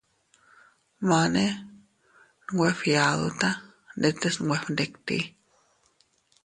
Mane nwe fgiaduta ndetes nwe fgnditi.